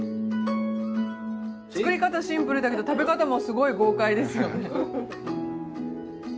作り方シンプルだけど食べ方もすごい豪快ですよね。